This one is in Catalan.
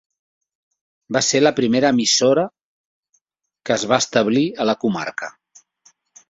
Va ser la primera emissora que es va establir a la comarca.